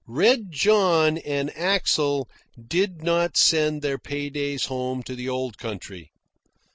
Red John and Axel did not send their pay days home to the old country.